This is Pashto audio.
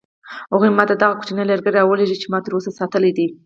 هغوی ما ته دغه کوچنی لرګی راولېږه چې ما تر اوسه ساتلی دی.